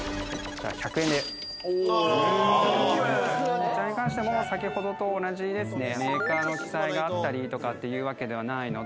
こちらに関しても先ほどと同じですね。